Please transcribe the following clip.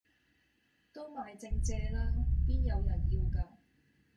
都賣剩蔗啦！邊有人要架